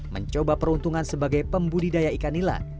mencoba peruntungan sebagai pembudidaya ikan nila